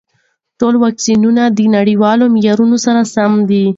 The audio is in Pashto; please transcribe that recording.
ټول واکسینونه د نړیوال معیارونو سره سم دي.